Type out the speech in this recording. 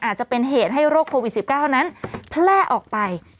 อาจจะเป็นเหตุให้โรคโควิด๑๙นั้นแพร่ออกไป